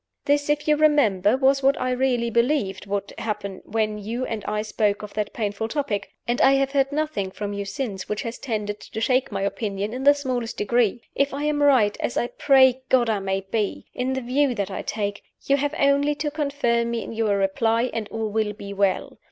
This, if you remember, was what I really believed would happen when you and I spoke of that painful topic; and I have heard nothing from you since which has tended to shake my opinion in the smallest degree. If I am right (as I pray God I may be) in the view that I take, you h ave only to confirm me in your reply, and all will be well.